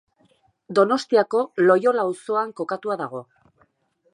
Donostiako Loiola auzoan kokatuta dago.